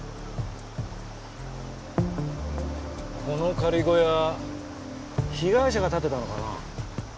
この仮小屋被害者が建てたのかな？